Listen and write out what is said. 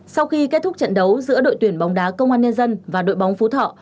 sau khi kết thúc trận đấu giữa đội tuyển bóng đá công an nhân dân và đội bóng phú thọ